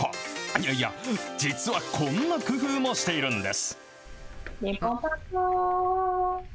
いやいや、実はこんな工夫もしているんです。